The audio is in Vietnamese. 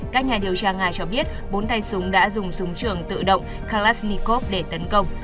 các nhà điều tra nga cho biết bốn tay súng đã dùng súng trường tự động kalashnikov để tấn công